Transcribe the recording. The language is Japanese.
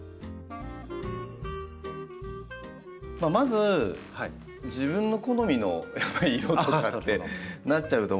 まず自分の好みの色とかってなっちゃうと思うんですけど。